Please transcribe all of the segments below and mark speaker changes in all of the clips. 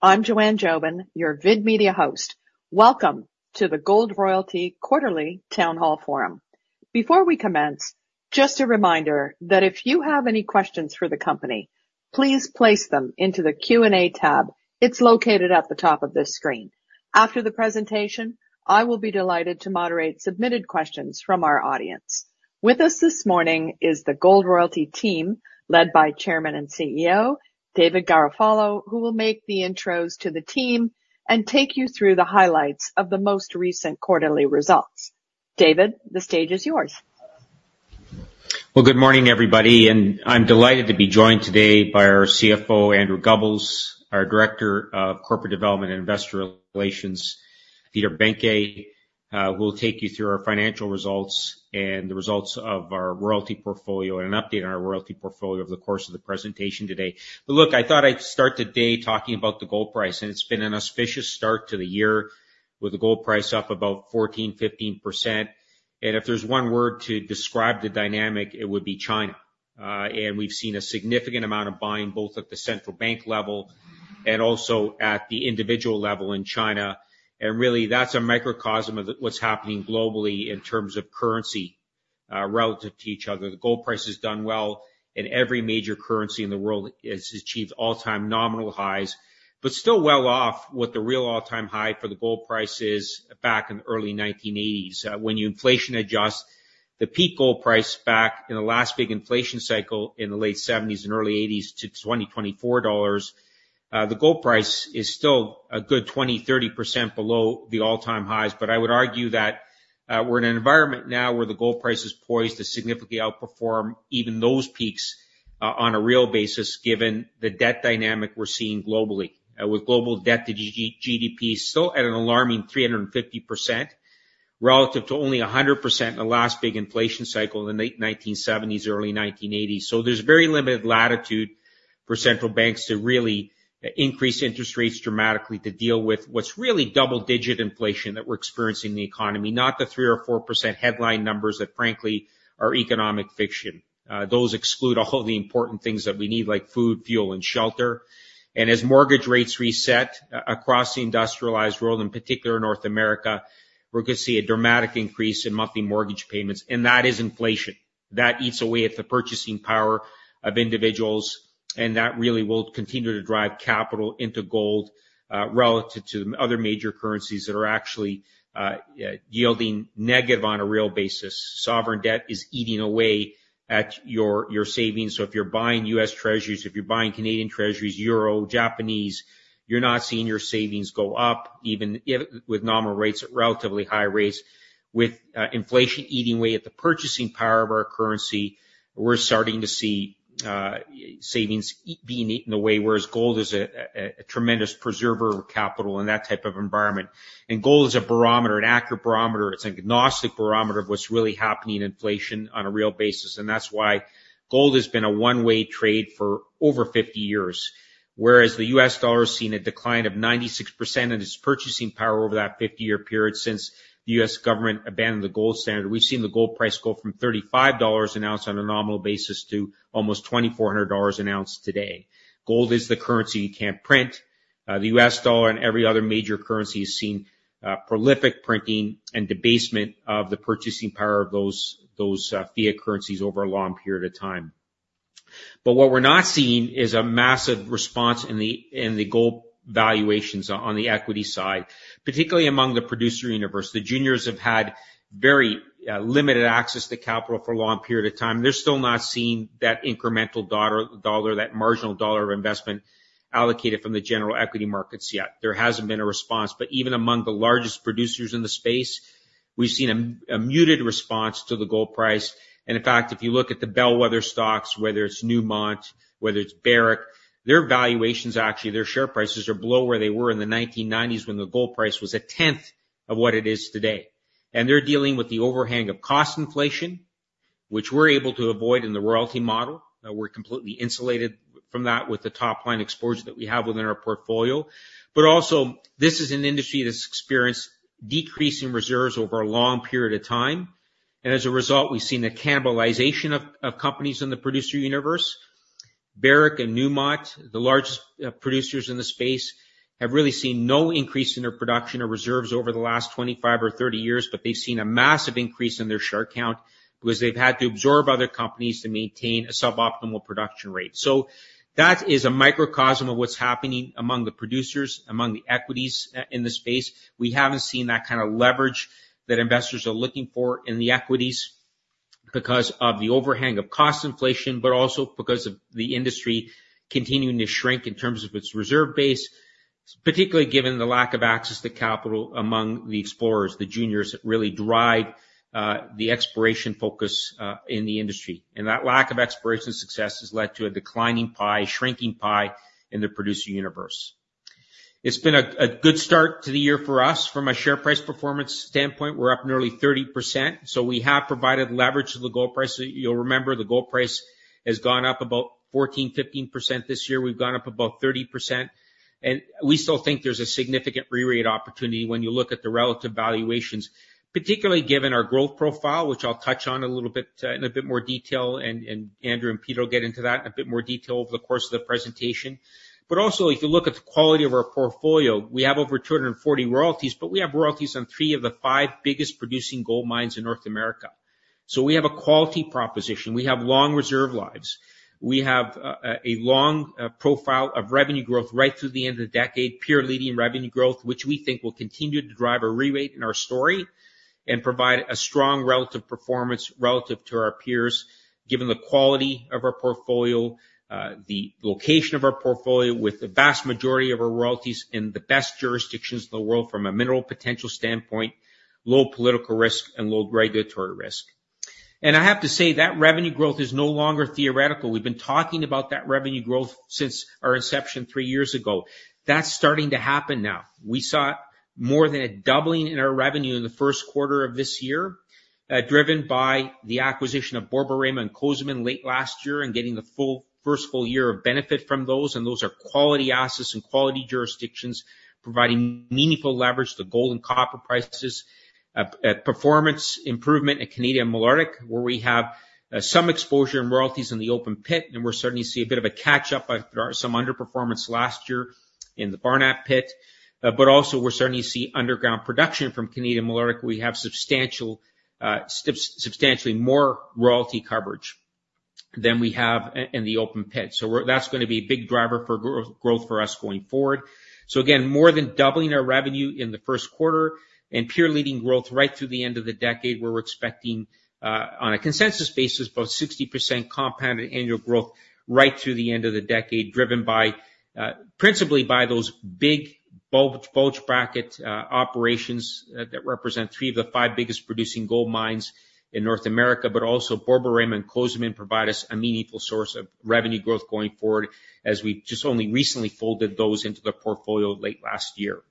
Speaker 1: I'm Joanne Jobin, your VID Media host. Welcome to the Gold Royalty Quarterly Town Hall Forum. Before we commence, just a reminder that if you have any questions for the company, please place them into the Q&A tab. It's located at the top of this screen. After the presentation, I will be delighted to moderate submitted questions from our audience. With us this morning is the Gold Royalty team, led by Chairman and CEO, David Garofalo, who will make the intros to the team and take you through the highlights of the most recent quarterly results. David, the stage is yours.
Speaker 2: Well, good morning, everybody, and I'm delighted to be joined today by our CFO, Andrew Gubbels, our Director of Corporate Development and Investor Relations, Peter Behncke. We'll take you through our financial results and the results of our royalty portfolio, and an update on our royalty portfolio over the course of the presentation today. But look, I thought I'd start the day talking about the gold price, and it's been an auspicious start to the year with the gold price up about 14%-15%. And if there's one word to describe the dynamic, it would be China. And we've seen a significant amount of buying, both at the central bank level and also at the individual level in China. And really, that's a microcosm of what's happening globally in terms of currency relative to each other. The gold price has done well, and every major currency in the world has achieved all-time nominal highs, but still well off what the real all-time high for the gold price is back in the early 1980s. When you inflation adjust the peak gold price back in the last big inflation cycle in the late 1970s and early 1980s to 2024 dollars, the gold price is still a good 20%-30% below the all-time highs. But I would argue that, we're in an environment now where the gold price is poised to significantly outperform even those peaks, on a real basis, given the debt dynamic we're seeing globally. With global debt to GDP still at an alarming 350%, relative to only 100% in the last big inflation cycle in the late 1970s, early 1980s. So there's very limited latitude for central banks to really increase interest rates dramatically to deal with what's really double-digit inflation that we're experiencing in the economy, not the 3% or 4% headline numbers that, frankly, are economic fiction. Those exclude all the important things that we need, like food, fuel, and shelter. And as mortgage rates reset across the industrialized world, in particular North America, we're gonna see a dramatic increase in monthly mortgage payments, and that is inflation. That eats away at the purchasing power of individuals, and that really will continue to drive capital into gold, relative to other major currencies that are actually yielding negative on a real basis. Sovereign debt is eating away at your savings, so if you're buying U.S. Treasuries, if you're buying Canadian Treasuries, Euro, Japanese, you're not seeing your savings go up, even if, with nominal rates at relatively high rates. With, inflation eating away at the purchasing power of our currency, we're starting to see, savings being eaten away, whereas gold is a, a, a tremendous preserver of capital in that type of environment. And gold is a barometer, an accurate barometer. It's an agnostic barometer of what's really happening in inflation on a real basis, and that's why gold has been a one-way trade for over 50 years. Whereas the U.S. dollar has seen a decline of 96% in its purchasing power over that 50-year period since the U.S. government abandoned the gold standard, we've seen the gold price go from $35 an ounce on a nominal basis to almost $2,400 an ounce today. Gold is the currency you can't print. The U.S. dollar and every other major currency has seen prolific printing and debasement of the purchasing power of those fiat currencies over a long period of time. But what we're not seeing is a massive response in the gold valuations on the equity side, particularly among the producer universe. The juniors have had very limited access to capital for a long period of time. They're still not seeing that incremental dollar, that marginal dollar of investment allocated from the general equity markets yet. There hasn't been a response, but even among the largest producers in the space, we've seen a muted response to the gold price. In fact, if you look at the bellwether stocks, whether it's Newmont, whether it's Barrick, their valuations, actually, their share prices are below where they were in the 1990s, when the gold price was a tenth of what it is today. They're dealing with the overhang of cost inflation, which we're able to avoid in the royalty model. We're completely insulated from that with the top-line exposure that we have within our portfolio. But also, this is an industry that's experienced decreasing reserves over a long period of time, and as a result, we've seen the cannibalization of companies in the producer universe. Barrick and Newmont, the largest producers in the space, have really seen no increase in their production or reserves over the last 25 or 30 years, but they've seen a massive increase in their share count because they've had to absorb other companies to maintain a suboptimal production rate. So that is a microcosm of what's happening among the producers, among the equities in the space. We haven't seen that kind of leverage that investors are looking for in the equities because of the overhang of cost inflation, but also because of the industry continuing to shrink in terms of its reserve base, particularly given the lack of access to capital among the explorers, the juniors, that really drive the exploration focus in the industry. And that lack of exploration success has led to a declining pie, a shrinking pie in the producer universe. It's been a good start to the year for us. From a share price performance standpoint, we're up nearly 30%, so we have provided leverage to the gold price. So you'll remember the gold price has gone up about 14-15% this year. We've gone up about 30%.... And we still think there's a significant re-rate opportunity when you look at the relative valuations, particularly given our growth profile, which I'll touch on a little bit, in a bit more detail, and Andrew and Peter will get into that in a bit more detail over the course of the presentation. But also, if you look at the quality of our portfolio, we have over 240 royalties, but we have royalties on 3 of the 5 biggest producing gold mines in North America. So we have a quality proposition. We have long reserve lives. We have a long profile of revenue growth right through the end of the decade, peer-leading revenue growth, which we think will continue to drive a re-rate in our story and provide a strong relative performance relative to our peers, given the quality of our portfolio, the location of our portfolio, with the vast majority of our royalties in the best jurisdictions in the world from a mineral potential standpoint, low political risk and low regulatory risk. And I have to say that revenue growth is no longer theoretical. We've been talking about that revenue growth since our inception three years ago. That's starting to happen now. We saw more than a doubling in our revenue in the first quarter of this year, driven by the acquisition of Borborema and Cozamin late last year, and getting the first full year of benefit from those, and those are quality assets and quality jurisdictions, providing meaningful leverage to gold and copper prices. Performance improvement at Canadian Malartic, where we have some exposure in royalties in the open pit, and we're starting to see a bit of a catch-up after some underperformance last year in the Barnat Pit. But also, we're starting to see underground production from Canadian Malartic. We have substantially more royalty coverage than we have in the open pit. So that's gonna be a big driver for growth for us going forward. So again, more than doubling our revenue in the first quarter and peer-leading growth right through the end of the decade, where we're expecting, on a consensus basis, about 60% compounded annual growth right through the end of the decade, driven by, principally by those big bulge bracket operations, that represent 3 of the 5 biggest producing gold mines in North America. But also, Borborema and Cozamin provide us a meaningful source of revenue growth going forward, as we just only recently folded those into the portfolio late last year.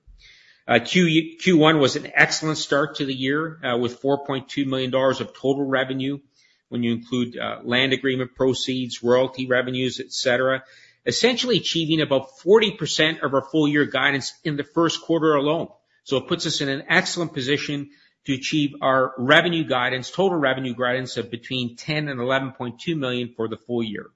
Speaker 2: Q1 was an excellent start to the year, with $4.2 million of total revenue when you include land agreement proceeds, royalty revenues, et cetera, essentially achieving about 40% of our full-year guidance in the first quarter alone. It puts us in an excellent position to achieve our revenue guidance, total revenue guidance of between $10 million and $11.2 million for the full year.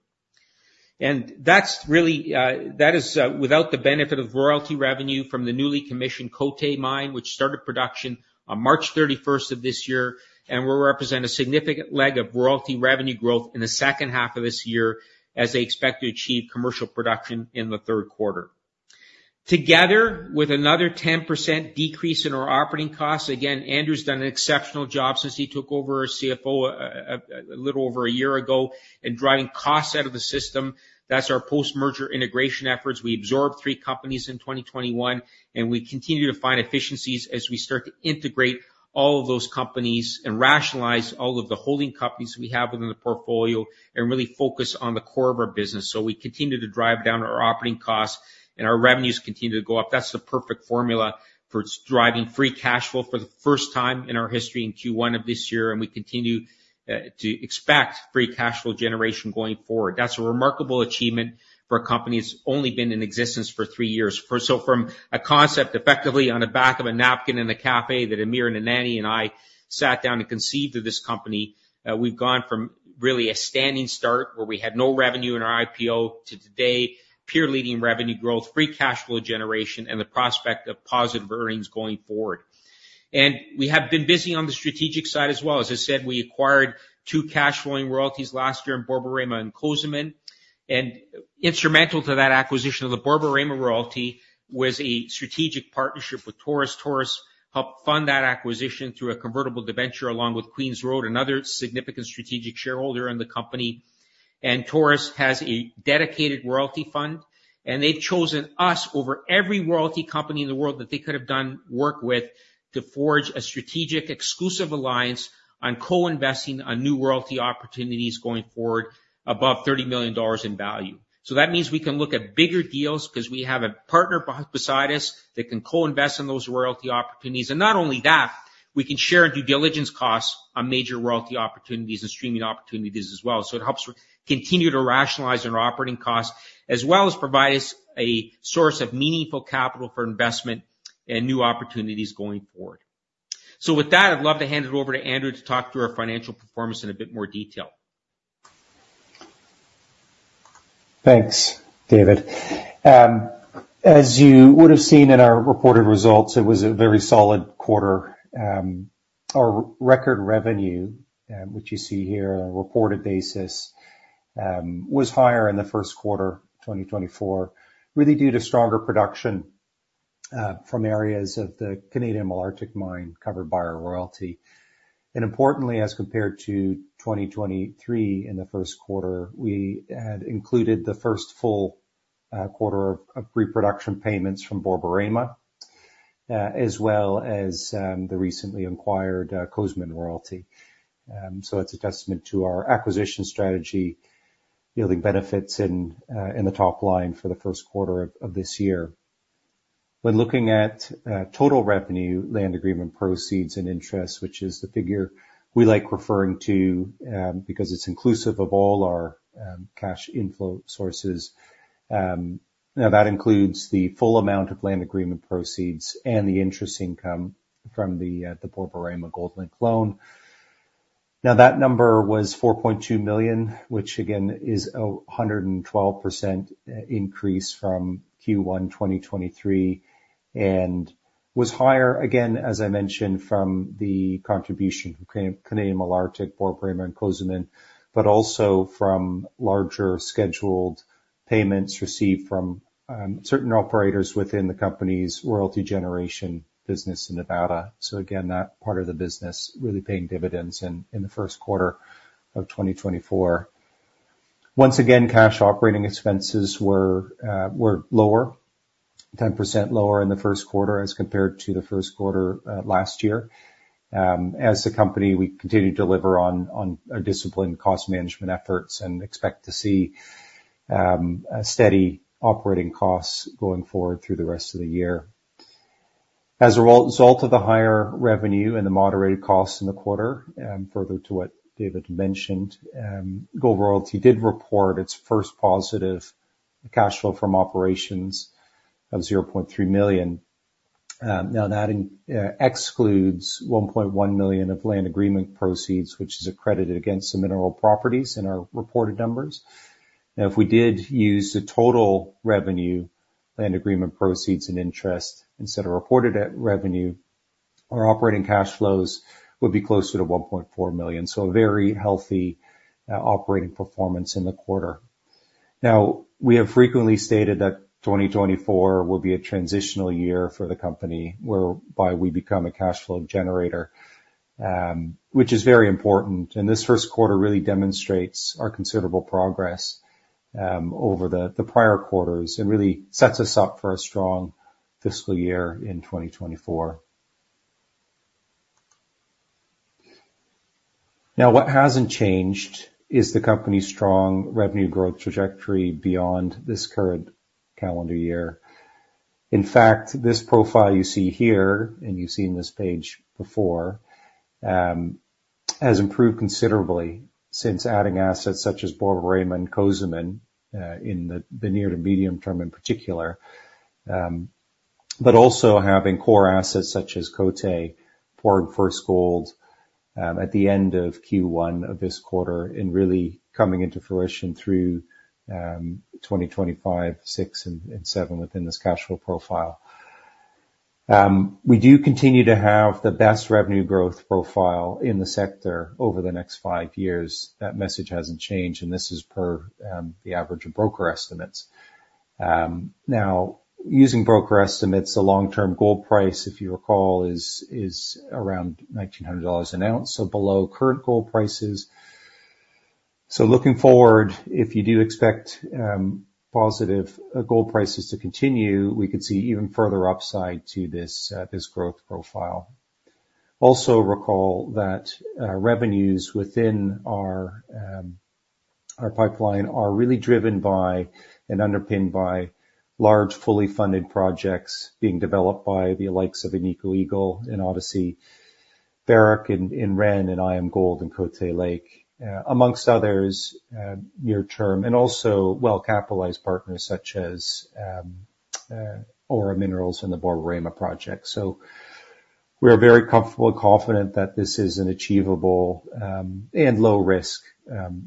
Speaker 2: And that's really, that is, without the benefit of royalty revenue from the newly commissioned Côté Mine, which started production on March 31st of this year, and will represent a significant leg of royalty revenue growth in the second half of this year, as they expect to achieve commercial production in the third quarter. Together, with another 10% decrease in our operating costs, again, Andrew's done an exceptional job since he took over as CFO, a little over a year ago, in driving costs out of the system. That's our post-merger integration efforts. We absorbed three companies in 2021, and we continue to find efficiencies as we start to integrate all of those companies and rationalize all of the holding companies we have within the portfolio, and really focus on the core of our business. So we continue to drive down our operating costs, and our revenues continue to go up. That's the perfect formula for driving free cash flow for the first time in our history in Q1 of this year, and we continue to expect free cash flow generation going forward. That's a remarkable achievement for a company that's only been in existence for three years. So from a concept, effectively, on the back of a napkin in a cafe that Amir Adnani and I sat down and conceived of this company, we've gone from really a standing start, where we had no revenue in our IPO to today, peer-leading revenue growth, free cash flow generation, and the prospect of positive earnings going forward. We have been busy on the strategic side as well. As I said, we acquired two cash flowing royalties last year in Borborema and Cozamin. Instrumental to that acquisition of the Borborema royalty was a strategic partnership with Taurus. Taurus helped fund that acquisition through a convertible debenture, along with Queen's Road, another significant strategic shareholder in the company. And Taurus has a dedicated royalty fund, and they've chosen us over every royalty company in the world that they could have done work with to forge a strategic, exclusive alliance on co-investing on new royalty opportunities going forward above $30 million in value. So that means we can look at bigger deals, 'cause we have a partner beside us that can co-invest in those royalty opportunities. And not only that, we can share due diligence costs on major royalty opportunities and streaming opportunities as well. So it helps continue to rationalize our operating costs, as well as provide us a source of meaningful capital for investment and new opportunities going forward. So with that, I'd love to hand it over to Andrew to talk through our financial performance in a bit more detail.
Speaker 3: Thanks, David. As you would have seen in our reported results, it was a very solid quarter. Our record revenue, which you see here on a reported basis, was higher in the first quarter, 2024, really due to stronger production from areas of the Canadian Malartic Mine covered by our royalty. And importantly, as compared to 2023, in the first quarter, we had included the first full quarter of pre-production payments from Borborema, as well as the recently acquired Cozamin royalty. So it's a testament to our acquisition strategy, yielding benefits in the top line for the first quarter of this year... When looking at total revenue, land agreement proceeds, and interest, which is the figure we like referring to, because it's inclusive of all our cash inflow sources. Now, that includes the full amount of land agreement proceeds and the interest income from the Borborema Gold loan. Now, that number was $4.2 million, which again, is a 112% increase from Q1 2023, and was higher, again, as I mentioned, from the contribution, Canadian Malartic, Borborema, and Cozamin, but also from larger scheduled payments received from certain operators within the company's royalty generation business in Nevada. So again, that part of the business really paying dividends in the first quarter of 2024. Once again, cash operating expenses were lower, 10% lower in the first quarter as compared to the first quarter last year. As a company, we continue to deliver on our disciplined cost management efforts and expect to see a steady operating costs going forward through the rest of the year. As a result of the higher revenue and the moderated costs in the quarter, further to what David mentioned, Gold Royalty did report its first positive cash flow from operations of $0.3 million. Now that excludes $1.1 million of land agreement proceeds, which is credited against the mineral properties in our reported numbers. Now, if we did use the total revenue land agreement proceeds and interest instead of reported revenue, our operating cash flows would be closer to $1.4 million. So a very healthy operating performance in the quarter. Now, we have frequently stated that 2024 will be a transitional year for the company, whereby we become a cash flow generator, which is very important. And this first quarter really demonstrates our considerable progress, over the prior quarters and really sets us up for a strong fiscal year in 2024. Now, what hasn't changed is the company's strong revenue growth trajectory beyond this current calendar year. In fact, this profile you see here, and you've seen this page before, has improved considerably since adding assets such as Borborema and Cozamin, in the near to medium term in particular, but also having core assets such as Côté, pouring first gold, at the end of Q1 of this quarter, and really coming into fruition through, 2025, 2026, and 2027 within this cash flow profile. We do continue to have the best revenue growth profile in the sector over the next five years. That message hasn't changed, and this is per the average of broker estimates. Now, using broker estimates, the long-term gold price, if you recall, is around $1,900 an ounce, so below current gold prices. So looking forward, if you do expect positive gold prices to continue, we could see even further upside to this growth profile. Also recall that revenues within our pipeline are really driven by and underpinned by large, fully funded projects being developed by the likes of Agnico Eagle and Odyssey, Barrick and Ren and IAMGOLD and Côté, amongst others near term, and also well-capitalized partners such as Aura Minerals and the Borborema project. So we are very comfortable and confident that this is an achievable and low-risk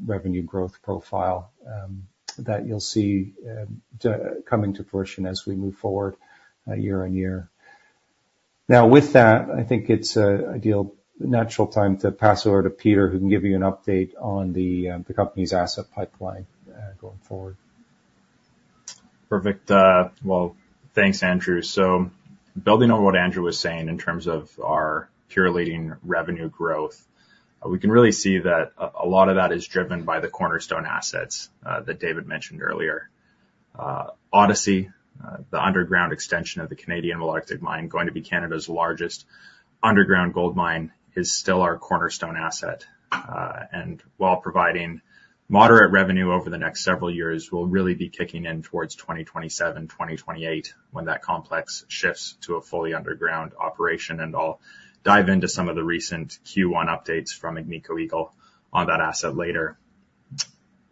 Speaker 3: revenue growth profile that you'll see coming to fruition as we move forward, year on year. Now, with that, I think it's an ideal, natural time to pass over to Peter, who can give you an update on the company's asset pipeline going forward.
Speaker 4: Perfect. Well, thanks, Andrew. So building on what Andrew was saying, in terms of our peer-leading revenue growth, we can really see that a lot of that is driven by the cornerstone assets that David mentioned earlier. Odyssey, the underground extension of the Canadian Malartic Mine, going to be Canada's largest underground gold mine, is still our cornerstone asset. And while providing moderate revenue over the next several years, we'll really be kicking in towards 2027, 2028, when that complex shifts to a fully underground operation. And I'll dive into some of the recent Q1 updates from Agnico Eagle on that asset later.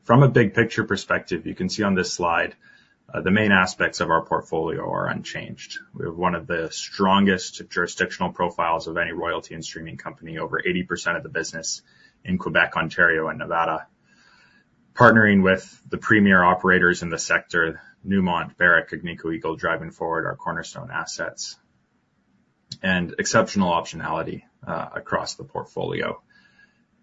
Speaker 4: From a big picture perspective, you can see on this slide, the main aspects of our portfolio are unchanged. We have one of the strongest jurisdictional profiles of any royalty and streaming company. Over 80% of the business in Quebec, Ontario and Nevada. Partnering with the premier operators in the sector, Newmont, Barrick, Agnico Eagle, driving forward our cornerstone assets. And exceptional optionality across the portfolio.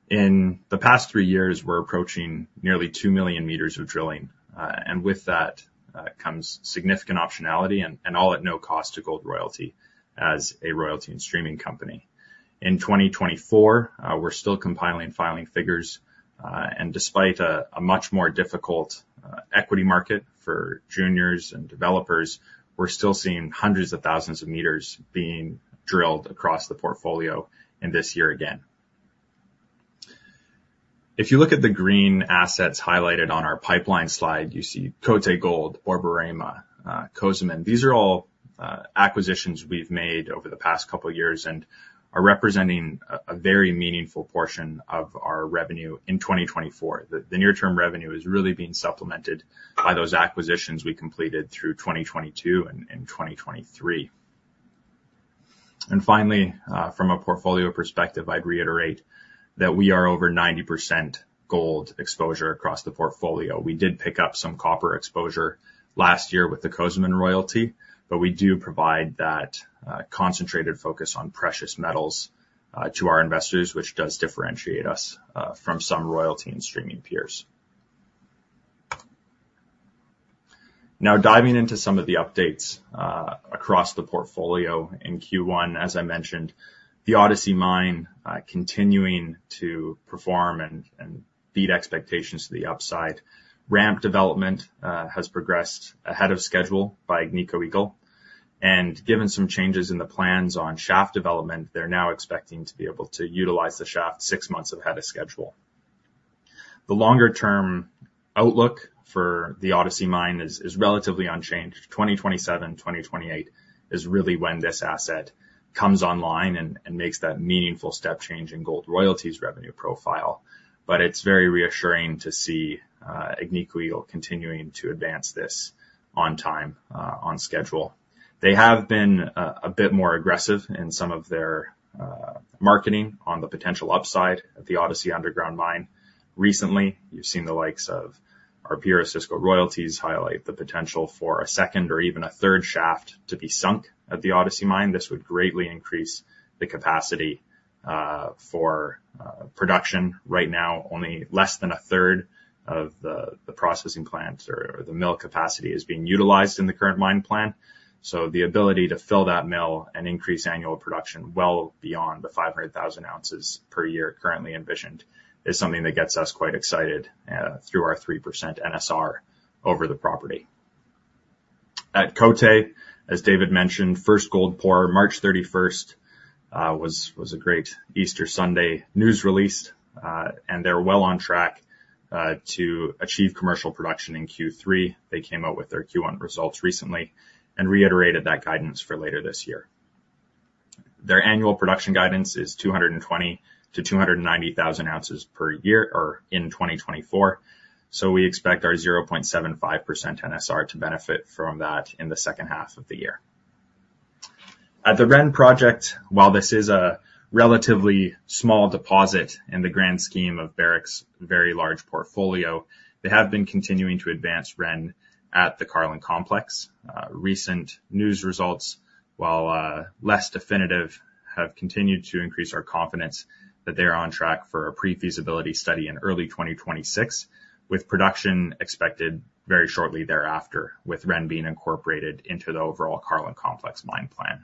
Speaker 4: In the past three years, we're approaching nearly 2 million meters of drilling, and with that, comes significant optionality and all at no cost to Gold Royalty as a royalty and streaming company. In 2024, we're still compiling, filing figures, and despite a much more difficult equity market for juniors and developers, we're still seeing hundreds of thousands of meters being drilled across the portfolio in this year again. If you look at the green assets highlighted on our pipeline slide, you see Côté Gold, Borborema, Cozamin. These are all acquisitions we've made over the past couple of years and are representing a very meaningful portion of our revenue in 2024. The near term revenue is really being supplemented by those acquisitions we completed through 2022 and 2023. And finally, from a portfolio perspective, I'd reiterate that we are over 90% gold exposure across the portfolio. We did pick up some copper exposure last year with the Cozamin royalty, but we do provide that concentrated focus on precious metals to our investors, which does differentiate us from some royalty and streaming peers. Now, diving into some of the updates across the portfolio in Q1, as I mentioned, the Odyssey Mine continuing to perform and beat expectations to the upside. Ramp development has progressed ahead of schedule by Agnico Eagle, and given some changes in the plans on shaft development, they're now expecting to be able to utilize the shaft six months ahead of schedule. The longer term outlook for the Odyssey Mine is relatively unchanged. 2027, 2028 is really when this asset comes online and makes that meaningful step change in Gold Royalty's revenue profile. But it's very reassuring to see Agnico Eagle continuing to advance this on time, on schedule. They have been a bit more aggressive in some of their marketing on the potential upside of the Odyssey Underground Mine. Recently, you've seen the likes of our peer, Osisko Gold Royalties, highlight the potential for a second or even a third shaft to be sunk at the Odyssey Mine. This would greatly increase the capacity for production. Right now, only less than a third of the processing plant or the mill capacity is being utilized in the current mine plan. So the ability to fill that mill and increase annual production well beyond the 500,000 ounces per year currently envisioned is something that gets us quite excited through our 3% NSR over the property. At Côté, as David mentioned, first gold pour March 31 was a great Easter Sunday news release, and they're well on track to achieve commercial production in Q3. They came out with their Q1 results recently and reiterated that guidance for later this year. Their annual production guidance is 220,000-290,000 ounces per year or in 2024. So we expect our 0.75% NSR to benefit from that in the second half of the year. At the Ren project, while this is a relatively small deposit in the grand scheme of Barrick's very large portfolio, they have been continuing to advance Ren at the Carlin Complex. Recent news results, while less definitive, have continued to increase our confidence that they are on track for a pre-feasibility study in early 2026, with production expected very shortly thereafter, with Ren being incorporated into the overall Carlin Complex mine plan.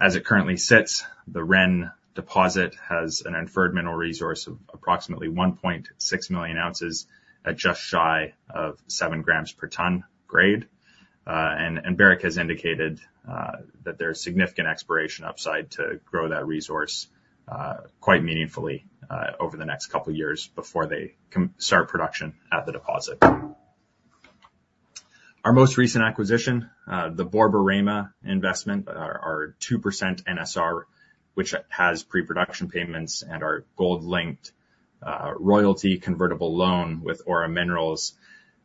Speaker 4: As it currently sits, the Ren deposit has an inferred mineral resource of approximately 1.6 million ounces at just shy of 7 grams per tonne grade. Barrick has indicated that there's significant exploration upside to grow that resource quite meaningfully over the next couple of years before they start production at the deposit. Our most recent acquisition, the Borborema investment, our 2% NSR, which has pre-production payments and our gold-linked royalty convertible loan with Aura Minerals,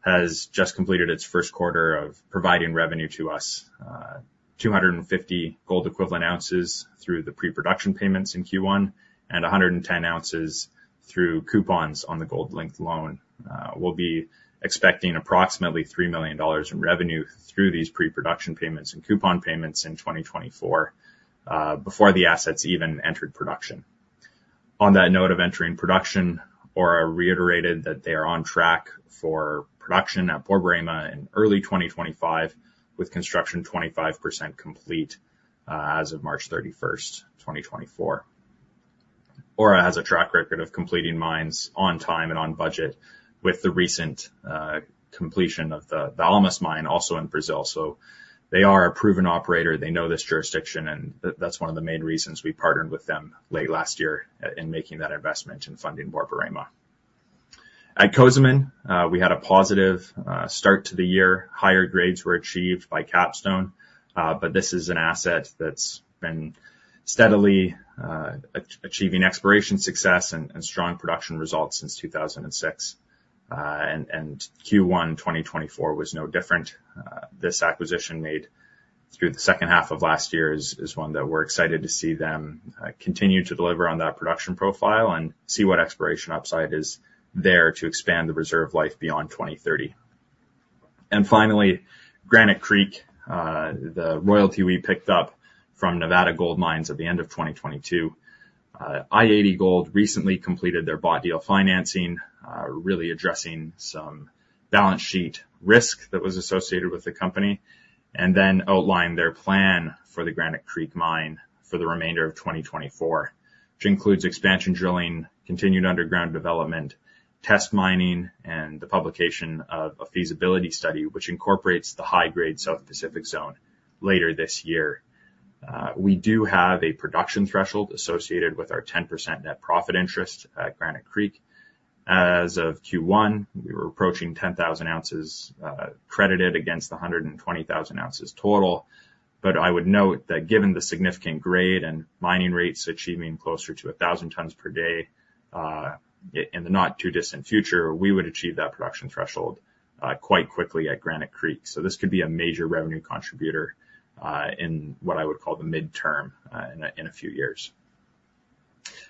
Speaker 4: has just completed its first quarter of providing revenue to us. 250 gold equivalent ounces through the pre-production payments in Q1, and 110 ounces through coupons on the gold-linked loan. We'll be expecting approximately $3 million in revenue through these pre-production payments and coupon payments in 2024, before the assets even entered production. On that note of entering production, Aura reiterated that they are on track for production at Borborema in early 2025, with construction 25% complete as of March 31, 2024. Aura has a track record of completing mines on time and on budget with the recent completion of the Almas Mine, also in Brazil. So they are a proven operator, they know this jurisdiction, and that's one of the main reasons we partnered with them late last year in making that investment in funding Borborema. At Cozamin, we had a positive start to the year. Higher grades were achieved by Capstone, but this is an asset that's been steadily achieving exploration success and strong production results since 2006, and Q1 2024 was no different. This acquisition made through the second half of last year is one that we're excited to see them continue to deliver on that production profile and see what exploration upside is there to expand the reserve life beyond 2030. And finally, Granite Creek, the royalty we picked up from Nevada Gold Mines at the end of 2022. I-80 Gold recently completed their bought deal financing, really addressing some balance sheet risk that was associated with the company, and then outlined their plan for the Granite Creek Mine for the remainder of 2024, which includes expansion drilling, continued underground development, test mining, and the publication of a feasibility study, which incorporates the high-grade South Pacific Zone later this year. We do have a production threshold associated with our 10% net profit interest at Granite Creek. As of Q1, we were approaching 10,000 ounces, credited against the 120,000 ounces total. But I would note that given the significant grade and mining rates achieving closer to 1,000 tons per day, in the not-too-distant future, we would achieve that production threshold, quite quickly at Granite Creek. So this could be a major revenue contributor, in what I would call the midterm, in a few years.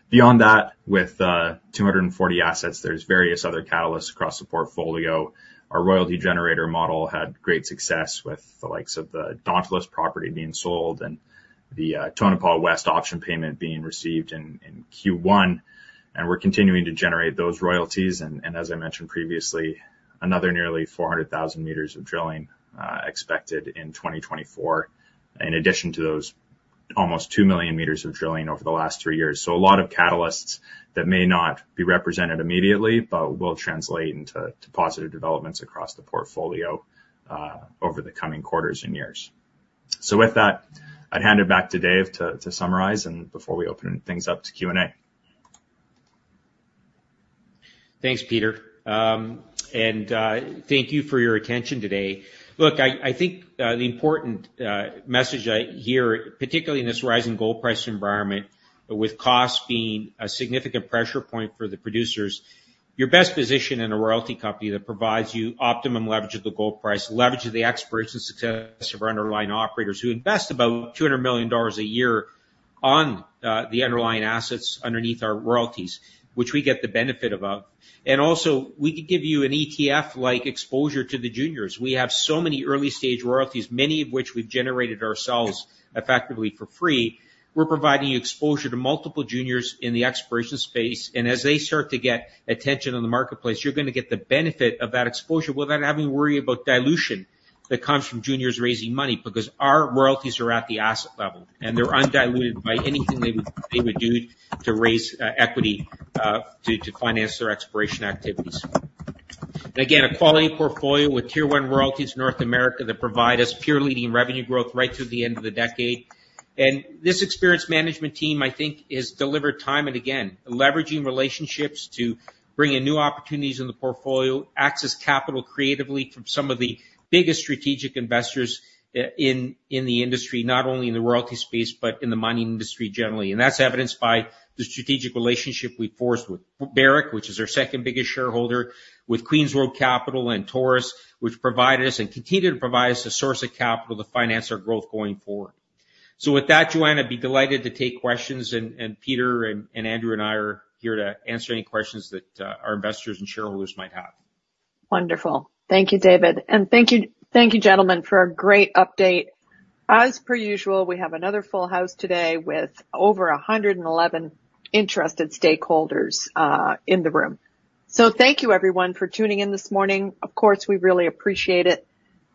Speaker 4: Beyond that, with 240 assets, there's various other catalysts across the portfolio. Our royalty generator model had great success with the likes of the Railroad property being sold and the Tonopah West option payment being received in Q1, and we're continuing to generate those royalties. As I mentioned previously, another nearly 400,000 meters of drilling expected in 2024, in addition to those almost 2 million meters of drilling over the last three years. So a lot of catalysts that may not be represented immediately, but will translate into positive developments across the portfolio over the coming quarters and years. So with that, I'd hand it back to Dave to summarize, and before we open things up to Q&A.
Speaker 2: Thanks, Peter. And thank you for your attention today. Look, I think the important message I hear, particularly in this rising gold price environment, with cost being a significant pressure point for the producers, you're best positioned in a royalty company that provides you optimum leverage of the gold price, leverage of the experts and success of our underlying operators, who invest about $200 million a year on the underlying assets underneath our royalties, which we get the benefit about. And also, we could give you an ETF-like exposure to the juniors. We have so many early-stage royalties, many of which we've generated ourselves effectively for free. We're providing you exposure to multiple juniors in the exploration space, and as they start to get attention in the marketplace, you're gonna get the benefit of that exposure without having to worry about dilution that comes from juniors raising money, because our royalties are at the asset level, and they're undiluted by anything they would do to raise equity to finance their exploration activities. And again, a quality portfolio with Tier One royalties in North America that provide us peer-leading revenue growth right to the end of the decade. And this experienced management team, I think, has delivered time and again, leveraging relationships to bring in new opportunities in the portfolio, access capital creatively from some of the biggest strategic investors in the industry, not only in the royalty space, but in the mining industry generally. That's evidenced by the strategic relationship we forged with Barrick, which is our second biggest shareholder, with Queen's Road Capital and Taurus, which provide us and continue to provide us a source of capital to finance our growth going forward. With that, Joanne, I'd be delighted to take questions, and Peter and Andrew and I are here to answer any questions that our investors and shareholders might have.
Speaker 1: Wonderful. Thank you, David. And thank you, thank you, gentlemen, for a great update. As per usual, we have another full house today with over 111 interested stakeholders in the room. So thank you, everyone, for tuning in this morning. Of course, we really appreciate it.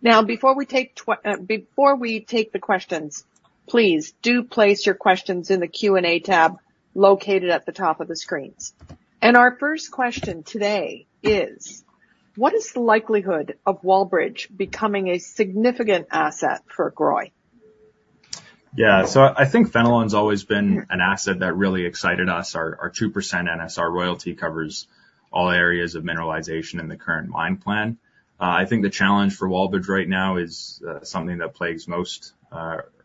Speaker 1: Now, before we take the questions, please do place your questions in the Q&A tab located at the top of the screens. And our first question today is: What is the likelihood of Wallbridge becoming a significant asset for GROY?
Speaker 4: Yeah. So I think Fenelon's always been an asset that really excited us. Our 2% NSR royalty covers all areas of mineralization in the current mine plan. I think the challenge for Wallbridge right now is something that plagues most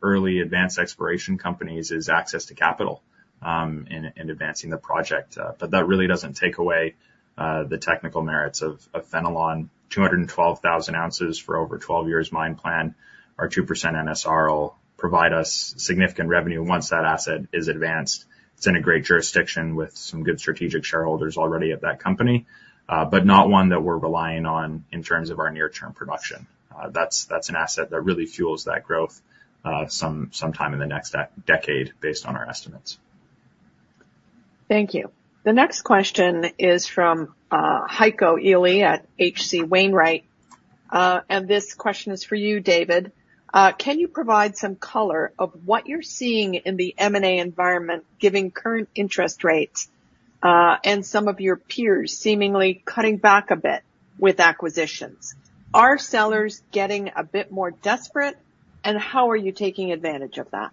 Speaker 4: early advanced exploration companies: access to capital in advancing the project. But that really doesn't take away the technical merits of Fenelon. 212,000 ounces for over 12 years' mine plan. Our 2% NSR will provide us significant revenue once that asset is advanced. It's in a great jurisdiction with some good strategic shareholders already at that company, but not one that we're relying on in terms of our near-term production. That's an asset that really fuels that growth sometime in the next decade based on our estimates.
Speaker 1: Thank you. The next question is from Heiko Ihle at H.C. Wainwright. And this question is for you, David. Can you provide some color of what you're seeing in the M&A environment, given current interest rates, and some of your peers seemingly cutting back a bit with acquisitions? Are sellers getting a bit more desperate, and how are you taking advantage of that?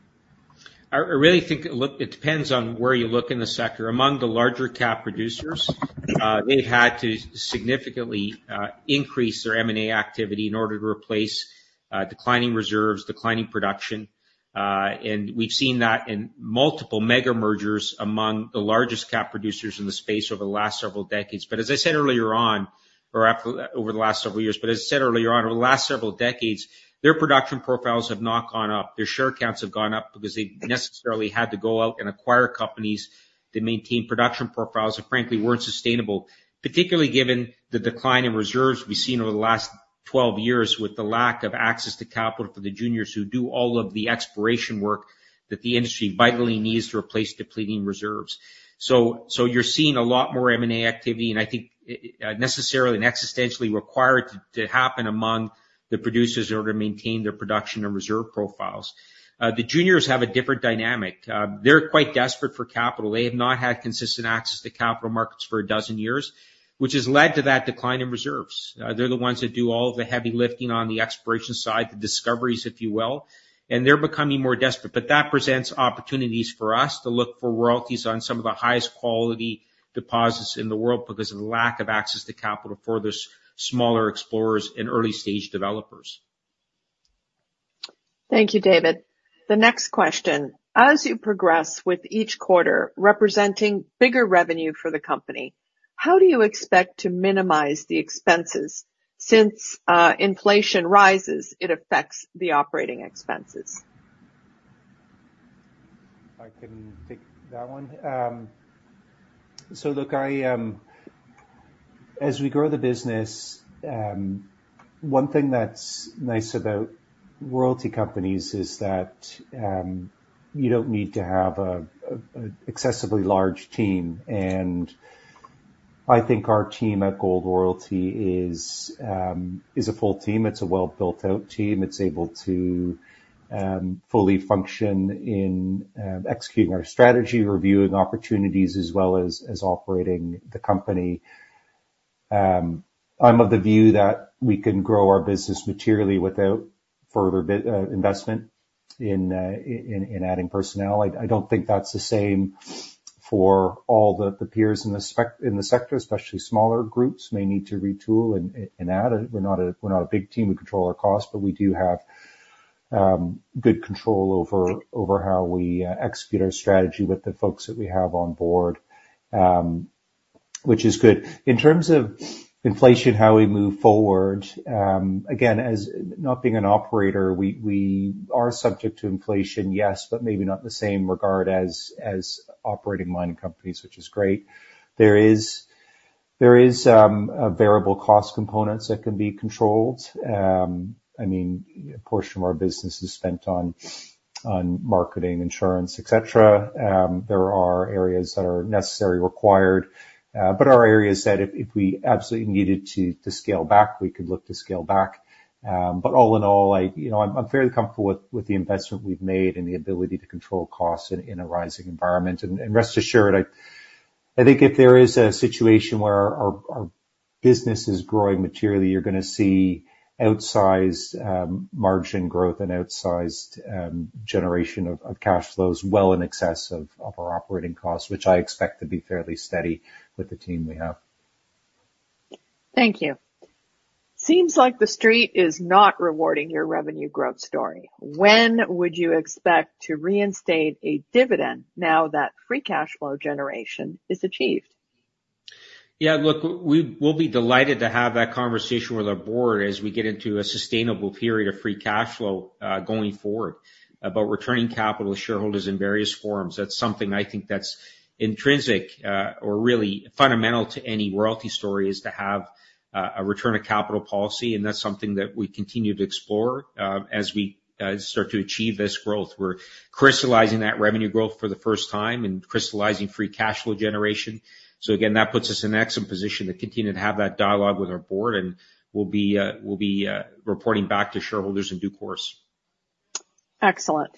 Speaker 2: I really think, look, it depends on where you look in the sector. Among the large-cap producers, they've had to significantly increase their M&A activity in order to replace declining reserves, declining production, and we've seen that in multiple mega mergers among the largest-cap producers in the space over the last several decades. But as I said earlier on, over the last several years, but as I said earlier on, over the last several decades, their production profiles have not gone up. Their share counts have gone up because they necessarily had to go out and acquire companies to maintain production profiles that, frankly, weren't sustainable, particularly given the decline in reserves we've seen over the last 12 years, with the lack of access to capital for the juniors, who do all of the exploration work that the industry vitally needs to replace depleting reserves. So, you're seeing a lot more M&A activity, and I think, necessarily and existentially required to happen among the producers in order to maintain their production and reserve profiles. The juniors have a different dynamic. They're quite desperate for capital. They have not had consistent access to capital markets for 12 years, which has led to that decline in reserves. They're the ones that do all the heavy lifting on the exploration side, the discoveries, if you will, and they're becoming more desperate. But that presents opportunities for us to look for royalties on some of the highest quality deposits in the world because of the lack of access to capital for those smaller explorers and early-stage developers.
Speaker 1: Thank you, David. The next question: as you progress with each quarter representing bigger revenue for the company, how do you expect to minimize the expenses since inflation rises, it affects the operating expenses?
Speaker 3: I can take that one. So look, I, as we grow the business, one thing that's nice about royalty companies is that you don't need to have an excessively large team, and I think our team at Gold Royalty is a full team. It's a well-built-out team. It's able to fully function in executing our strategy, reviewing opportunities, as well as operating the company. I'm of the view that we can grow our business materially without further investment in adding personnel. I don't think that's the same for all the peers in the sector, especially smaller groups may need to retool and add. We're not a big team. We control our costs, but we do have good control over how we execute our strategy with the folks that we have on board, which is good. In terms of inflation, how we move forward, again, as not being an operator, we are subject to inflation, yes, but maybe not in the same regard as operating mining companies, which is great. There is a variable cost components that can be controlled. I mean, a portion of our business is spent on marketing, insurance, et cetera. There are areas that are necessarily required, but are areas that if we absolutely needed to scale back, we could look to scale back. But all in all, you know, I'm fairly comfortable with the investment we've made and the ability to control costs in a rising environment. And rest assured, I think if there is a situation where our business is growing materially, you're gonna see outsized margin growth and outsized generation of cash flows well in excess of our operating costs, which I expect to be fairly steady with the team we have.
Speaker 1: Thank you. Seems like The Street is not rewarding your revenue growth story. When would you expect to reinstate a dividend now that free cash flow generation is achieved?
Speaker 2: Yeah, look, we'll be delighted to have that conversation with our board as we get into a sustainable period of free cash flow going forward. About returning capital to shareholders in various forms, that's something I think that's intrinsic or really fundamental to any royalty story, is to have a return of capital policy, and that's something that we continue to explore as we start to achieve this growth. We're crystallizing that revenue growth for the first time and crystallizing free cash flow generation. So again, that puts us in an excellent position to continue to have that dialogue with our board, and we'll be reporting back to shareholders in due course.
Speaker 1: Excellent.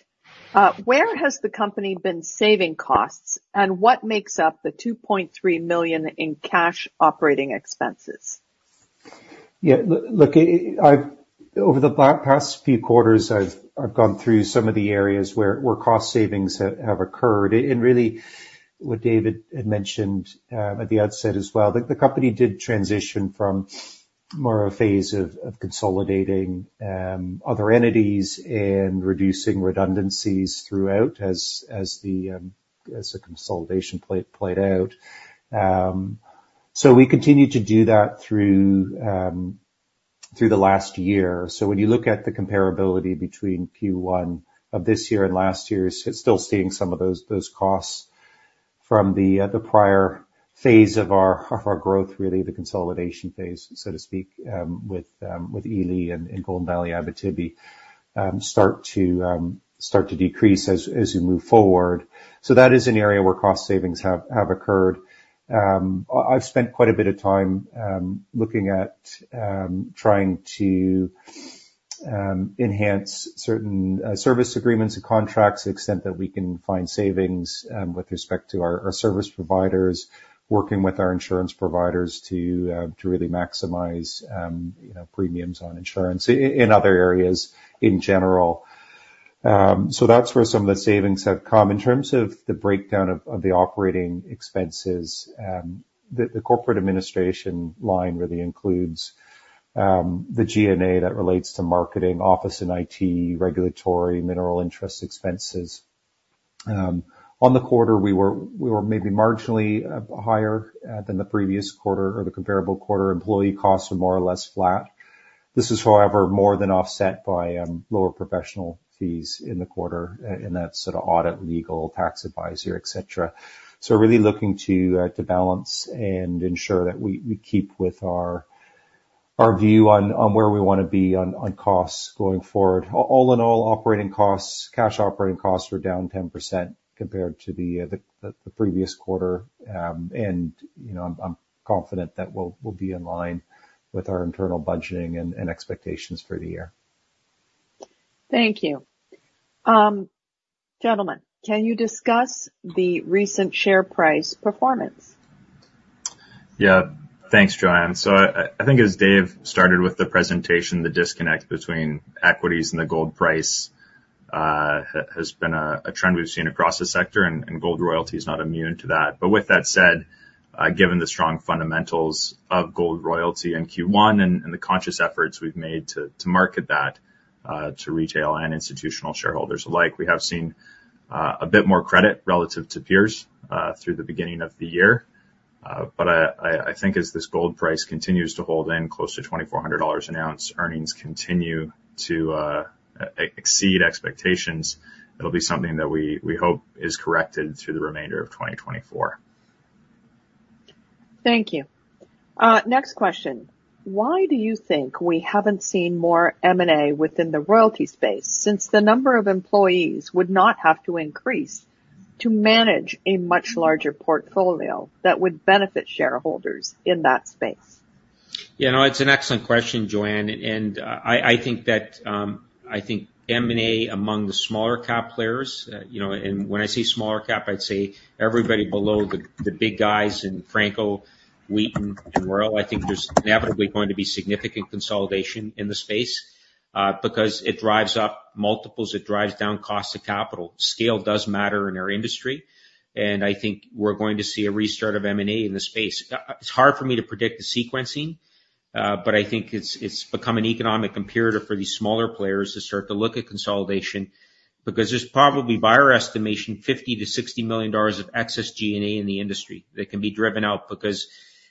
Speaker 1: Where has the company been saving costs, and what makes up the $2.3 million in cash operating expenses?
Speaker 3: Yeah, look, I've over the past few quarters, I've gone through some of the areas where cost savings have occurred, and really, what David had mentioned at the outset as well, the company did transition from more a phase of consolidating other entities and reducing redundancies throughout as the consolidation played out. So we continued to do that through the last year. So when you look at the comparability between Q1 of this year and last year, it's still seeing some of those costs from the prior phase of our growth, really the consolidation phase, so to speak, with Ely and Golden Valley, Abitibi start to decrease as you move forward. So that is an area where cost savings have occurred. I've spent quite a bit of time looking at trying to enhance certain service agreements and contracts, to the extent that we can find savings with respect to our service providers, working with our insurance providers to really maximize, you know, premiums on insurance in other areas in general. So that's where some of the savings have come. In terms of the breakdown of the operating expenses, the corporate administration line really includes the G&A that relates to marketing, office and IT, regulatory, mineral interest expenses. On the quarter, we were maybe marginally higher than the previous quarter or the comparable quarter. Employee costs were more or less flat. This is, however, more than offset by lower professional fees in the quarter, and that's sort of audit, legal, tax advisor, et cetera. So we're really looking to balance and ensure that we keep with our view on where we wanna be on costs going forward. All in all, operating costs, cash operating costs are down 10% compared to the previous quarter. And, you know, I'm confident that we'll be in line with our internal budgeting and expectations for the year.
Speaker 1: Thank you. Gentlemen, can you discuss the recent share price performance?
Speaker 2: Yeah. Thanks, Joanne. So I think as Dave started with the presentation, the disconnect between equities and the gold price has been a trend we've seen across the sector, and Gold Royalty is not immune to that. But with that said-...
Speaker 4: given the strong fundamentals of Gold Royalty in Q1 and the conscious efforts we've made to market that to retail and institutional shareholders alike, we have seen a bit more credit relative to peers through the beginning of the year. But I think as this gold price continues to hold in close to $2,400 an ounce, earnings continue to exceed expectations, it'll be something that we hope is corrected through the remainder of 2024.
Speaker 1: Thank you. Next question: Why do you think we haven't seen more M&A within the royalty space, since the number of employees would not have to increase to manage a much larger portfolio that would benefit shareholders in that space?
Speaker 2: You know, it's an excellent question, Joanne, and I think M&A among the smaller cap players, you know, and when I say smaller cap, I'd say everybody below the big guys in Franco, Wheaton and Royal. I think there's inevitably going to be significant consolidation in the space, because it drives up multiples, it drives down cost of capital. Scale does matter in our industry, and I think we're going to see a restart of M&A in the space. It's hard for me to predict the sequencing, but I think it's become an economic imperative for these smaller players to start to look at consolidation, because there's probably, by our estimation, $50-$60 million of excess G&A in the industry that can be driven out, because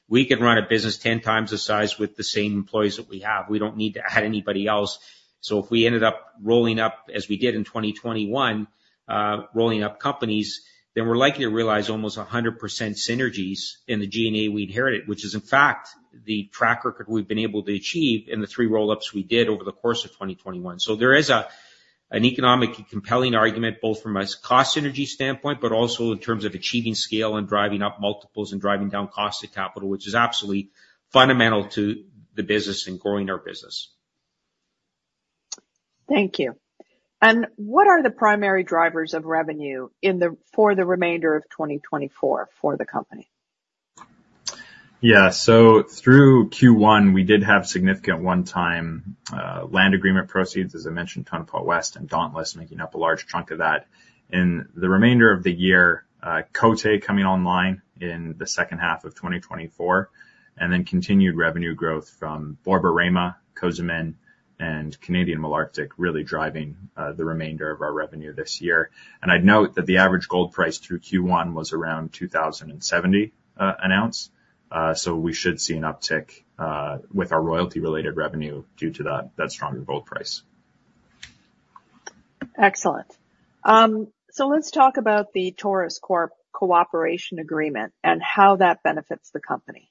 Speaker 2: we could run a business 10 times the size with the same employees that we have. We don't need to add anybody else. So if we ended up rolling up, as we did in 2021, rolling up companies, then we're likely to realize almost 100% synergies in the G&A we inherited, which is, in fact, the track record we've been able to achieve in the 3 roll-ups we did over the course of 2021. So there is an economic compelling argument, both from a cost synergy standpoint, but also in terms of achieving scale and driving up multiples and driving down cost of capital, which is absolutely fundamental to the business and growing our business.
Speaker 1: Thank you. What are the primary drivers of revenue for the remainder of 2024 for the company?
Speaker 4: Yeah, so through Q1, we did have significant one-time, land agreement proceeds, as I mentioned, Tonopah West and Dauntless making up a large chunk of that. In the remainder of the year, Côté coming online in the second half of 2024, and then continued revenue growth from Borborema, Cozamin, and Canadian Malartic, really driving, the remainder of our revenue this year. And I'd note that the average gold price through Q1 was around $2,070 an ounce, so we should see an uptick, with our royalty-related revenue due to that, that stronger gold price.
Speaker 1: Excellent. Let's talk about the Taurus Corp cooperation agreement and how that benefits the company.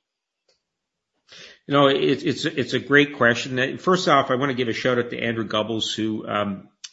Speaker 2: You know, it's a great question. First off, I wanna give a shout-out to Andrew Gubbels, who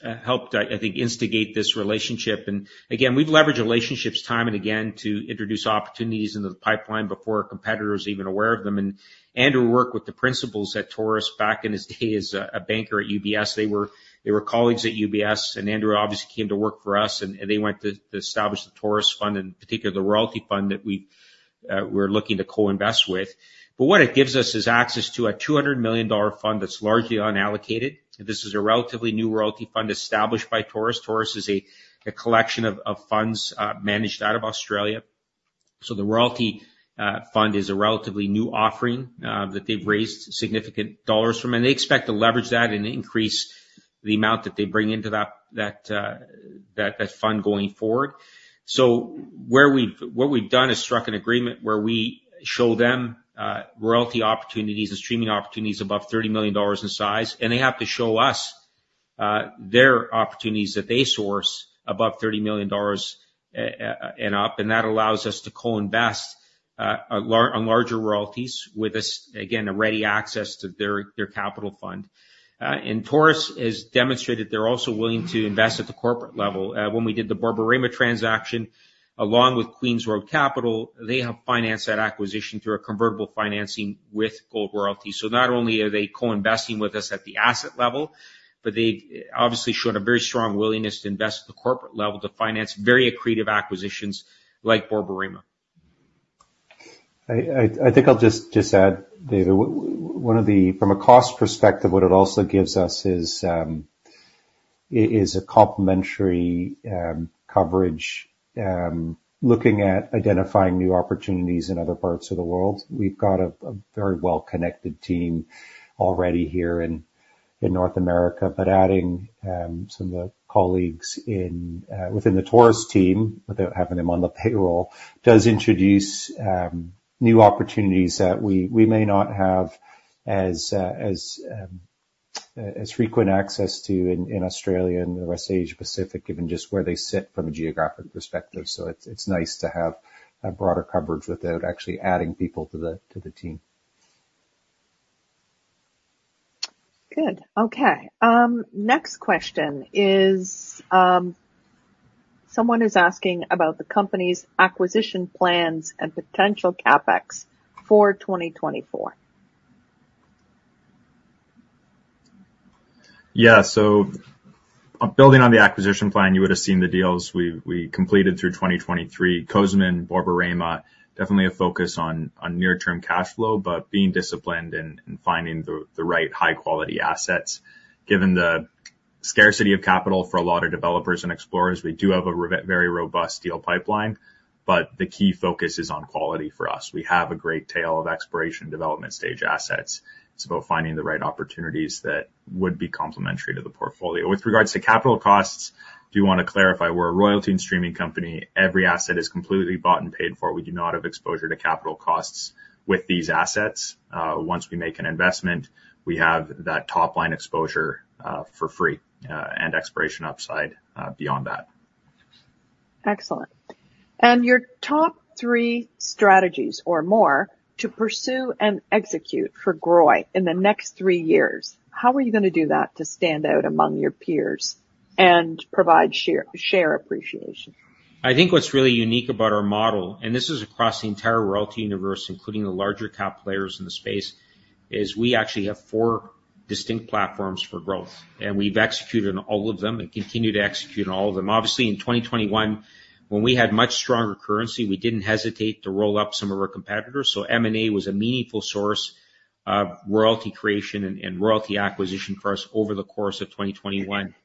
Speaker 2: helped, I think, instigate this relationship. And again, we've leveraged relationships time and again to introduce opportunities into the pipeline before our competitor is even aware of them. And Andrew worked with the principals at Taurus back in his day as a banker at UBS. They were colleagues at UBS, and Andrew obviously came to work for us, and they went to establish the Taurus Fund, in particular, the royalty fund that we're looking to co-invest with. But what it gives us is access to a $200 million fund that's largely unallocated. This is a relatively new royalty fund established by Taurus. Taurus is a collection of funds managed out of Australia. So the royalty fund is a relatively new offering that they've raised significant dollars from, and they expect to leverage that and increase the amount that they bring into that fund going forward. So what we've done is struck an agreement where we show them royalty opportunities and streaming opportunities above $30 million in size, and they have to show us their opportunities that they source above $30 million and up, and that allows us to co-invest on larger royalties with us, again, a ready access to their capital fund. And Taurus has demonstrated they're also willing to invest at the corporate level. When we did the Borborema transaction, along with Queen's Road Capital, they helped finance that acquisition through a convertible financing with Gold Royalty. So not only are they co-investing with us at the asset level, but they've obviously shown a very strong willingness to invest at the corporate level to finance very accretive acquisitions like Borborema.
Speaker 3: I think I'll just add, David, one of the... From a cost perspective, what it also gives us is a complementary coverage looking at identifying new opportunities in other parts of the world. We've got a very well-connected team already here in North America, but adding some of the colleagues within the Taurus team, without having them on the payroll, does introduce new opportunities that we may not have as frequent access to in Australia and the rest of Asia Pacific, given just where they sit from a geographic perspective. So it's nice to have a broader coverage without actually adding people to the team.
Speaker 1: Good. Okay, next question is, someone is asking about the company's acquisition plans and potential CapEx for 2024....
Speaker 2: Yeah, so, building on the acquisition plan, you would have seen the deals we completed through 2023, Cozamin, Borborema, definitely a focus on near-term cash flow, but being disciplined and finding the right high quality assets. Given the scarcity of capital for a lot of developers and explorers, we do have a very robust deal pipeline, but the key focus is on quality for us. We have a great tail of exploration development stage assets. It's about finding the right opportunities that would be complementary to the portfolio. With regards to capital costs, I do want to clarify, we're a royalty and streaming company. Every asset is completely bought and paid for. We do not have exposure to capital costs with these assets. Once we make an investment, we have that top line exposure for free, and exploration upside beyond that.
Speaker 1: Excellent. And your top three strategies or more to pursue and execute for GROY in the next three years, how are you gonna do that to stand out among your peers and provide share, share appreciation?
Speaker 2: I think what's really unique about our model, and this is across the entire royalty universe, including the larger cap players in the space, is we actually have four distinct platforms for growth, and we've executed on all of them and continue to execute on all of them. Obviously, in 2021, when we had much stronger currency, we didn't hesitate to roll up some of our competitors, so M&A was a meaningful source of royalty creation and royalty acquisition for us over the course of 2021.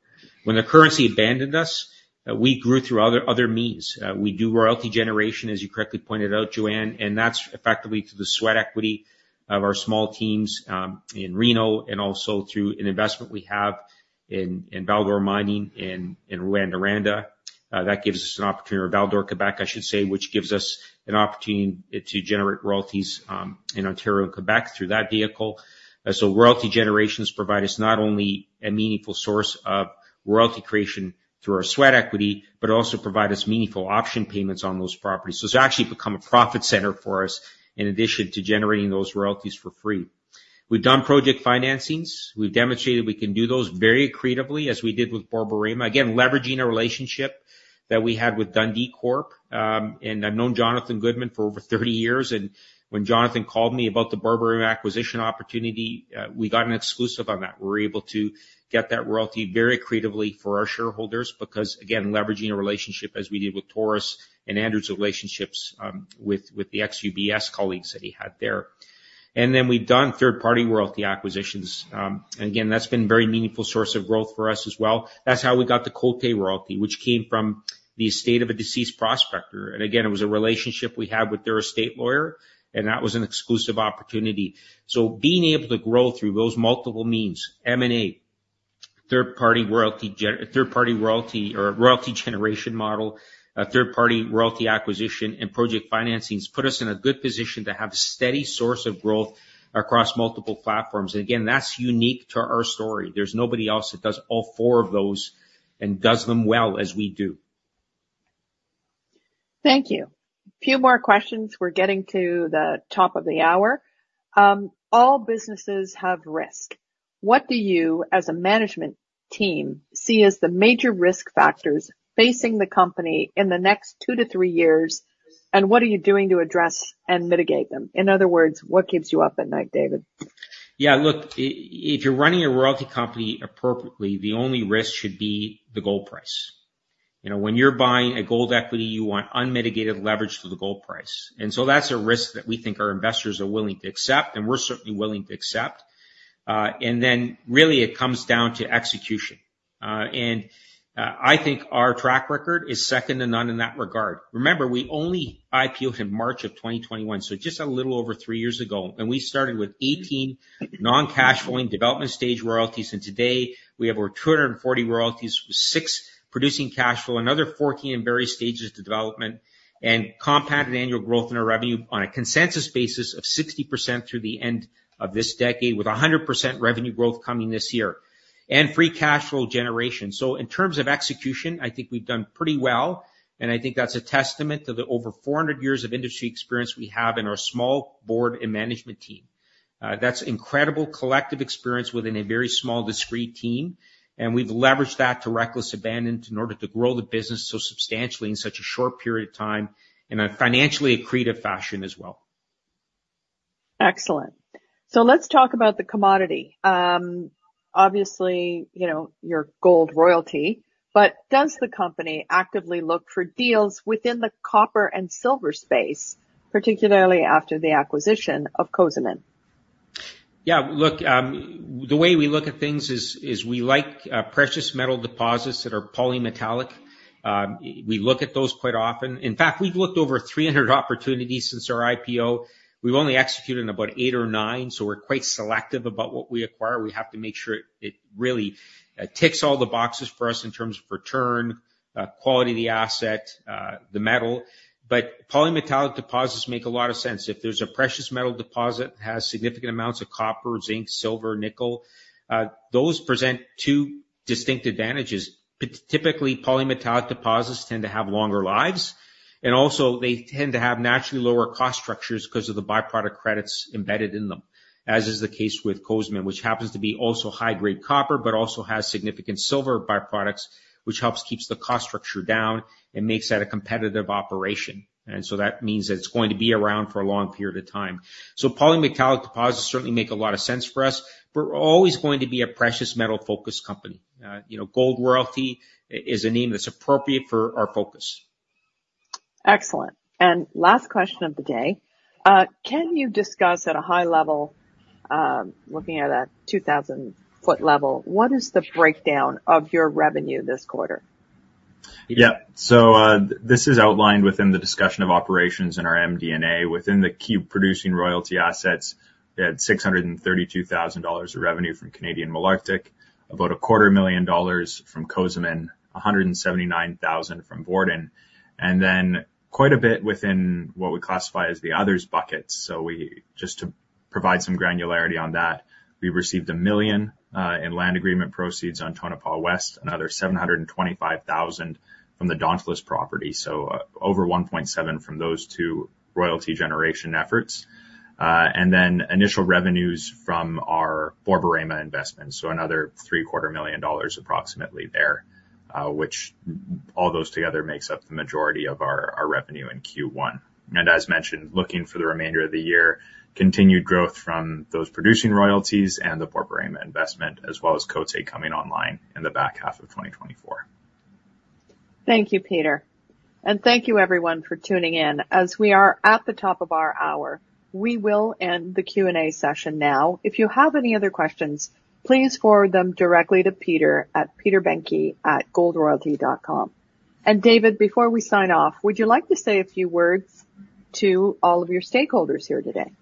Speaker 2: When the currency abandoned us, we grew through other means. We do royalty generation, as you correctly pointed out, Joanne, and that's effectively through the sweat equity of our small teams in Reno and also through an investment we have in Val-d'Or Mining, in Rouyn-Noranda. That gives us an opportunity, or Val-d'Or, Quebec, I should say, which gives us an opportunity to generate royalties in Ontario and Quebec through that vehicle. So royalty generations provide us not only a meaningful source of royalty creation through our sweat equity, but also provide us meaningful option payments on those properties. So it's actually become a profit center for us in addition to generating those royalties for free. We've done project financings. We've demonstrated we can do those very creatively, as we did with Borborema. Again, leveraging a relationship that we had with Dundee Corp., and I've known Jonathan Goodman for over 30 years, and when Jonathan called me about the Borborema acquisition opportunity, we got an exclusive on that. We were able to get that royalty very creatively for our shareholders, because, again, leveraging a relationship as we did with Taurus and Andrew's relationships, with, with the ex-UBS colleagues that he had there. And then we've done third-party royalty acquisitions. And again, that's been a very meaningful source of growth for us as well. That's how we got the Côté royalty, which came from the estate of a deceased prospector. And again, it was a relationship we had with their estate lawyer, and that was an exclusive opportunity. So being able to grow through those multiple means, M&A, third party royalty or royalty generation model, a third party royalty acquisition, and project financings, put us in a good position to have a steady source of growth across multiple platforms. And again, that's unique to our story. There's nobody else that does all four of those and does them well, as we do.
Speaker 1: Thank you. A few more questions. We're getting to the top of the hour. All businesses have risk. What do you, as a management team, see as the major risk factors facing the company in the next 2-3 years, and what are you doing to address and mitigate them? In other words, what keeps you up at night, David?
Speaker 2: Yeah, look, if you're running a royalty company appropriately, the only risk should be the gold price. You know, when you're buying a gold equity, you want unmitigated leverage to the gold price. And so that's a risk that we think our investors are willing to accept, and we're certainly willing to accept. And then, really, it comes down to execution. I think our track record is second to none in that regard. Remember, we only IPO'd in March of 2021, so just a little over 3 years ago, and we started with 18 non-cash flowing development stage royalties, and today we have over 240 royalties, with 6 producing cash flow, another 14 in various stages to development, and compounded annual growth in our revenue on a consensus basis of 60% through the end of this decade, with 100% revenue growth coming this year, and free cash flow generation. So in terms of execution, I think we've done pretty well, and I think that's a testament to the over 400 years of industry experience we have in our small board and management team. That's incredible collective experience within a very small, discrete team, and we've leveraged that to reckless abandon in order to grow the business so substantially in such a short period of time, in a financially accretive fashion as well.
Speaker 1: Excellent. So let's talk about the commodity. Obviously, you know, you're Gold Royalty, but does the company actively look for deals within the copper and silver space, particularly after the acquisition of Cozamin?
Speaker 2: Yeah, look, the way we look at things is we like precious metal deposits that are polymetallic. We look at those quite often. In fact, we've looked over 300 opportunities since our IPO. We've only executed on about eight or nine, so we're quite selective about what we acquire. We have to make sure it really ticks all the boxes for us in terms of return, quality of the asset, the metal. But polymetallic deposits make a lot of sense. If there's a precious metal deposit has significant amounts of copper, zinc, silver, nickel, those present two distinct advantages. Typically, polymetallic deposits tend to have longer lives, and also they tend to have naturally lower cost structures because of the byproduct credits embedded in them, as is the case with Cozamin, which happens to be also high-grade copper, but also has significant silver byproducts, which helps keeps the cost structure down and makes that a competitive operation. And so that means that it's going to be around for a long period of time. So polymetallic deposits certainly make a lot of sense for us, but we're always going to be a precious metal-focused company. You know, Gold Royalty is a name that's appropriate for our focus. ...
Speaker 1: Excellent. Last question of the day, can you discuss at a high level, looking at a 2,000-foot level, what is the breakdown of your revenue this quarter?
Speaker 4: Yeah. So, this is outlined within the discussion of operations in our MD&A. Within the key producing royalty assets, we had $632,000 of revenue from Canadian Malartic, about $250,000 from Cozamin, $179,000 from Borden, and then quite a bit within what we classify as the others bucket. So we, just to provide some granularity on that, we received $1 million in land agreement proceeds on Tonopah West, another $725,000 from the Dauntless property, so, over $1.7 million from those two royalty generation efforts. And then initial revenues from our Borborema investment, so another $750,000 approximately there, which all those together makes up the majority of our, our revenue in Q1. As mentioned, looking for the remainder of the year, continued growth from those producing royalties and the Borborema investment, as well as Côté coming online in the back half of 2024.
Speaker 1: Thank you, Peter, and thank you everyone for tuning in. As we are at the top of our hour, we will end the Q&A session now. If you have any other questions, please forward them directly to Peter at peterbehncke@goldroyalty.com. And David, before we sign off, would you like to say a few words to all of your stakeholders here today?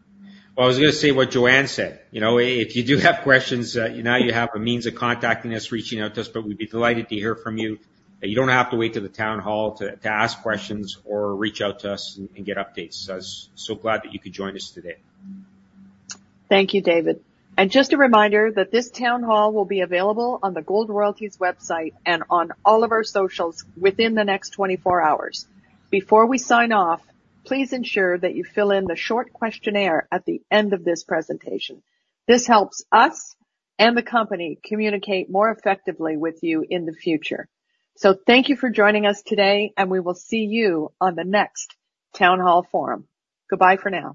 Speaker 2: Well, I was gonna say what Joanne said. You know, if you do have questions, now you have a means of contacting us, reaching out to us, but we'd be delighted to hear from you. You don't have to wait to the town hall to ask questions or reach out to us and get updates. So I was so glad that you could join us today.
Speaker 1: Thank you, David. Just a reminder that this town hall will be available on the Gold Royalty's website and on all of our socials within the next 24 hours. Before we sign off, please ensure that you fill in the short questionnaire at the end of this presentation. This helps us and the company communicate more effectively with you in the future. Thank you for joining us today, and we will see you on the next town hall forum. Goodbye for now.